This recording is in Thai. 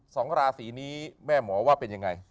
สองราศีนี้แม่หมอว่าเป็นยังไง